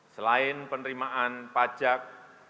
selain penerimaan pajak